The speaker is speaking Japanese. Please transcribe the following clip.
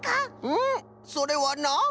うんそれはな